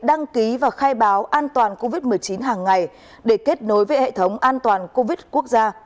đăng ký và khai báo an toàn covid một mươi chín hàng ngày để kết nối với hệ thống an toàn covid quốc gia